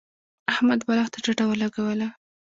احمد بالښت ته ډډه ولګوله.